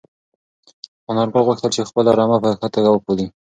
انارګل غوښتل چې خپله رمه په ښه توګه وپالي.